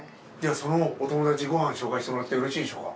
そのお友達ご飯紹介してもらってよろしいでしょうか？